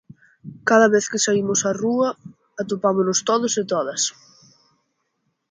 Cada vez que saímos á rúa atopámonos todos e todas.